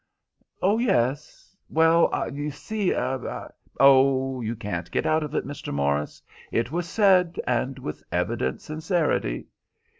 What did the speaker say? "Oh yes. Well, you see—" "Oh, you can't get out of it, Mr. Morris. It was said, and with evident sincerity."